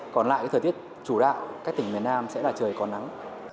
còn lại thời tiết chủ đạo các tỉnh miền nam sẽ là trời có nắng